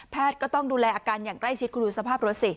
ก็ต้องดูแลอาการอย่างใกล้ชิดคุณดูสภาพรถสิ